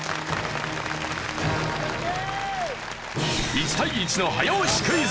１対１の早押しクイズ。